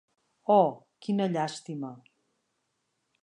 Oh, quina llàstima!